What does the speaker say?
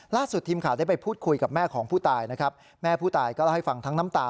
ล่าสุดทีมข่าวได้ไปพูดคุยกับแม่ของผู้ตายนะครับแม่ผู้ตายก็เล่าให้ฟังทั้งน้ำตา